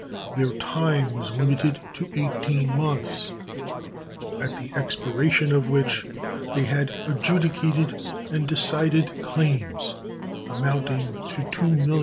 Their time was limited to eighteen months, at the expiration of which they had adjudicated and decided claims amounting to $2,026,139.